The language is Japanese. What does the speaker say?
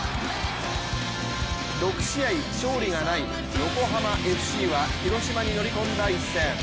６試合勝利がない横浜ＦＣは広島に乗り込んだ一戦。